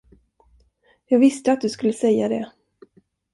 Jag visste att du skulle säga det.